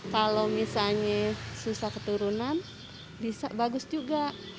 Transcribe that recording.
kalau misalnya susah keturunan bisa bagus juga